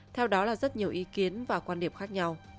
theo đó là rất nhiều ý kiến và quan điểm khác nhau